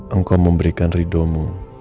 engkau memberikan ridomu